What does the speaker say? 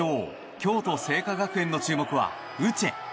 京都精華学園の注目はウチェ。